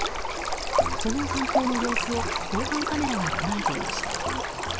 その犯行の様子を防犯カメラが捉えていました。